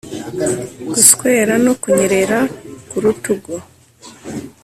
guswera no kunyerera ku rutugu,